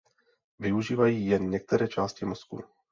Využívají jen některé části mozku.